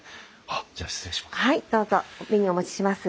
あっじゃあ失礼します。